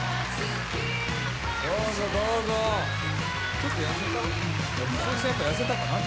ちょっと痩せた？